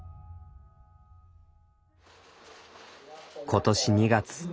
今年２月。